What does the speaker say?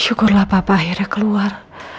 syukurlah papa akhirnya keluar